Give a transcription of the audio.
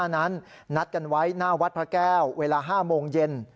นั้นนัดกันไว้หน้าวัดพระแก้วเวลา๕โมงเย็น